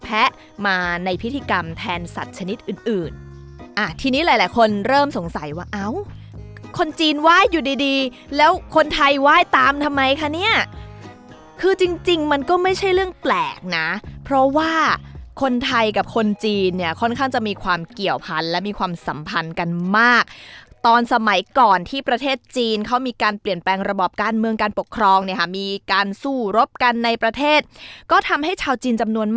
หลายหลายคนเริ่มสงสัยว่าเอาคนจีนไหว้อยู่ดีแล้วคนไทยไหว้ตามทำไมคะเนี่ยคือจริงมันก็ไม่ใช่เรื่องแปลกนะเพราะว่าคนไทยกับคนจีนเนี่ยค่อนข้างจะมีความเกี่ยวพันธุ์และมีความสัมพันธ์กันมากตอนสมัยก่อนที่ประเทศจีนเขามีการเปลี่ยนแปลงระบบการเมืองการปกครองเนี่ยมีการสู้รบกันในประเทศก็ทำ